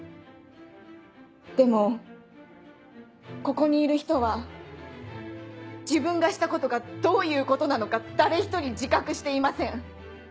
でもここにいる人は自分がしたことがどういうことなのか誰一人自覚していません。